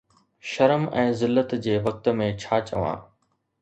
شرم ۽ ذلت جي وقت ۾ ڇا چوان؟